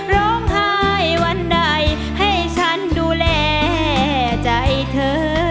ร้องไห้วันใดให้ฉันดูแลใจเธอ